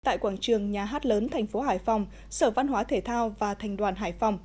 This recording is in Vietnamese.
tại quảng trường nhà hát lớn thành phố hải phòng sở văn hóa thể thao và thành đoàn hải phòng